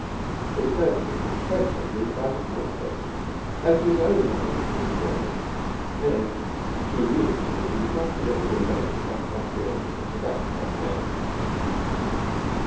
It occurred to him that the question would invite a counter question as to his own knowledge of Miss Boyd, and he knew that he would not be able to invent a satisfactory answer to that offhand.